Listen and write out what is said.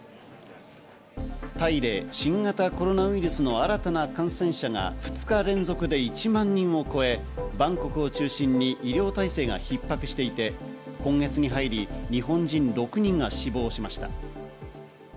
タイで新型コロナウイルスの新たな感染者が２日連続で１万人を超え、バンコクを中心に医療体制が逼迫していて、今月に入り日本人６人が死亡しました。